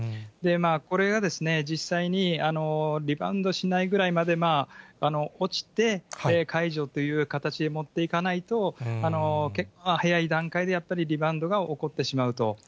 これが実際にリバウンドしないぐらいまで、落ちて解除という形でもっていかないと、早い段階で、やっぱりリバウンドが起こってしまうと。